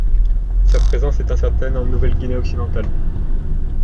Sa présence est incertaine en Nouvelle-Guinée occidentale.